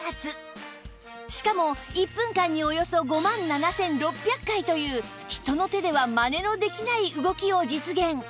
しかも１分間におよそ５万７６００回という人の手ではマネのできない動きを実現